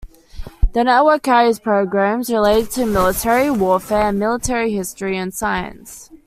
The network carries programs related to the military, warfare and military history and science.